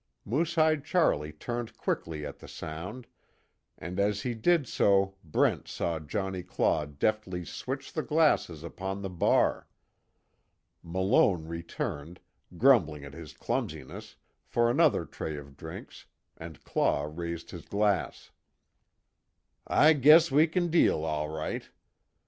Moosehide Charlie turned quickly at the sound, and as he did so Brent saw Johnnie Claw deftly switch the glasses upon the bar. Malone returned, grumbling at his clumsiness, for another tray of drinks, and Claw raised his glass. "I guess we kin deal, all right.